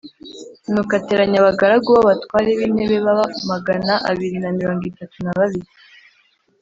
Nuko ateranya abagaragu b’abatware b’intebe baba magana abiri na mirongo itatu na babiri